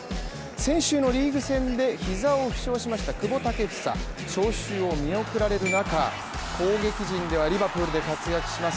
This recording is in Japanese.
先週のリーグ戦でひざを負傷しました久保建英招集を見送られる中、攻撃陣ではリバプールで活躍します